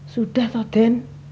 sudah toh den